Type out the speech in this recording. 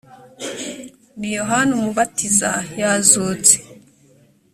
ni yohana umubatiza yazutse